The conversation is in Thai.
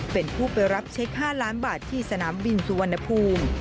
เป็นผู้ไปรับเช็ค๕ล้านบาทที่สนามบินสุวรรณภูมิ